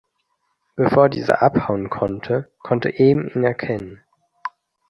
Bevor dieser abhauen konnte, konnte Em ihn erkennen.